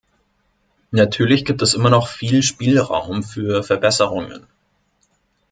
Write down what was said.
Natürlich gibt es immer noch viel Spielraum für Verbesserungen.